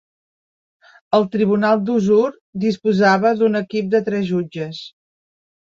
El tribunal de Huzur disposava d'un equip de tres jutges.